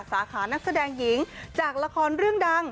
สาขานักแสดงหญิงจากละครเรื่องดัง